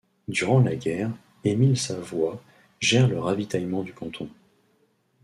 Durant la guerre, Emile Savoy gère le ravitaillement du canton.